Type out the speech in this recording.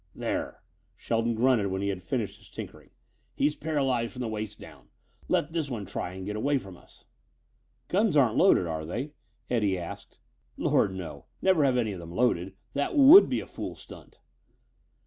"There," Shelton grunted when he had finished his tinkering, "he's paralyzed from the waist down. Let this one try and get away from us." "Guns aren't loaded, are they?" Eddie asked. "Lord, no! Never have any of them loaded. That would be a fool stunt."